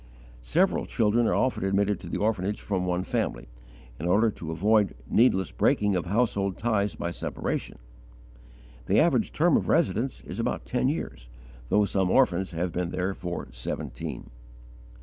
Several children are often admitted to the orphanage from one family, in order to avoid needless breaking of household ties by separation. The average term of residence is about ten years, though some orphans have been there for seventeen.